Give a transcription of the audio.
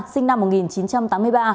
sinh năm một nghìn chín trăm tám mươi ba